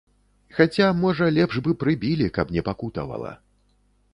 Хаця, можа, лепш бы прыбілі, каб не пакутавала.